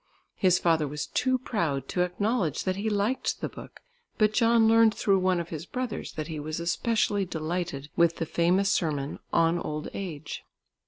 His father was too proud to acknowledge that he liked the book, but John learned through one of his brothers that he was especially delighted with the famous sermon "On Old Age."